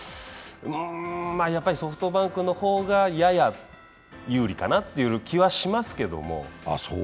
うーん、やっぱりソフトバンクの方がやや有利かなという気はしますけど。